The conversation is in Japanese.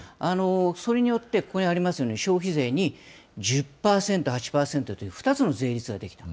それによって、ここにありますように、消費税に１０％、８％という、２つの税率ができた。